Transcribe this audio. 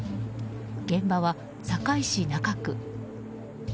現場は堺市中区。